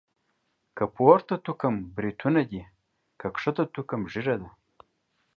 که پورته توکم بريتونه دي.، که کښته توکم ږيره ده.